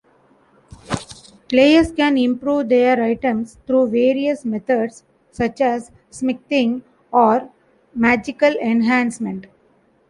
Players can improve their items through various methods, such as smithing or magical enhancement.